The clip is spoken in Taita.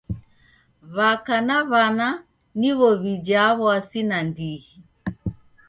W'aka na w'ana niw'o w'ijaa w'asi nandighi.